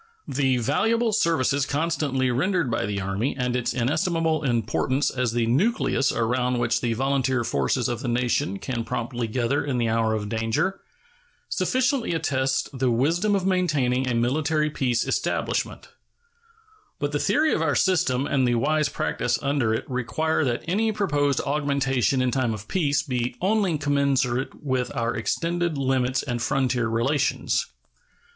The valuable services constantly rendered by the Army and its inestimable importance as the nucleus around which the volunteer forces of the nation can promptly gather in the hour of danger, sufficiently attest the wisdom of maintaining a military peace establishment; but the theory of our system and the wise practice under it require that any proposed augmentation in time of peace be only commensurate with our extended limits and frontier relations.